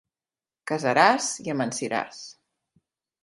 Casaràs i amansiràs.